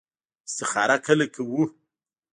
استخاره کله کوو؟